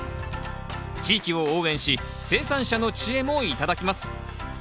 地域を応援し生産者の知恵も頂きます。